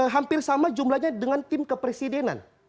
hampir sama jumlahnya dengan tim kepresidenan